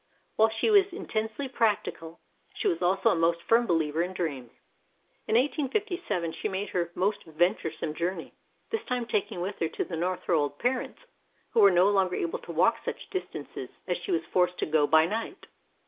While she was in tensely practical, she was also a most firm believer in dreams. In 1857 she made her most venturesome journey, this time taking with her to the North her old parents who were no longer able to walk such distances as she was forced to go by night.